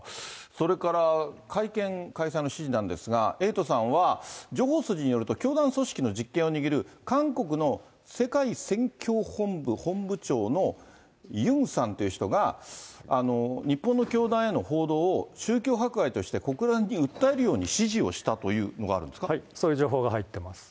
それから、会見、開催の指示なんですが、エイトさんは、情報筋によると、教団組織の実権を握る韓国の世界宣教本部本部長のユンさんという人が、日本の教団への報道を宗教迫害として国連に訴えるように指示をしそういう情報が入ってます。